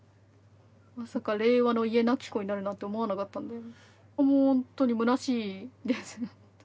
まさか令和の家なき子になるなんて思わなかったんでもうほんとにむなしいですね。